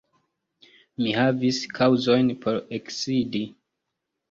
Mi havis kaŭzojn por eksidi.